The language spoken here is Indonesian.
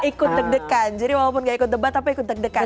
ikut deg degan jadi walaupun gak ikut debat tapi ikut deg degan